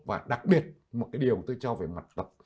và đặc biệt một cái điều tôi cho về mặt đọc